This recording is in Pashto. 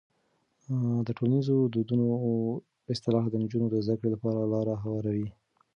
د ټولنیزو دودونو اصلاح د نجونو د زده کړې لپاره لاره هواروي.